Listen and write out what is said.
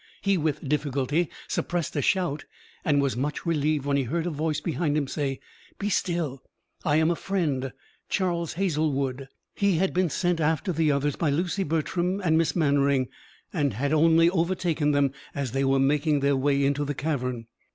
He with difficulty suppressed a shout, and was much relieved when he heard a voice behind him say: "Be still, I am a friend Charles Hazlewood." He had been sent after the others by Lucy Bertram and Miss Mannering, and had only overtaken them as they were making their way into the cavern.